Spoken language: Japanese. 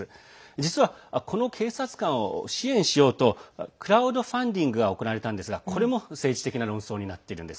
実はこの警察官を支援しようとクラウドファンディングが行われたんですがこれも政治的な論争になっているんです。